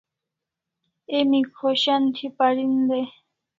Emi khoshan thi parin dai